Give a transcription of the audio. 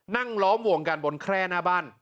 นั่งล้อมวงกันบนแคร่หน้าบ้าน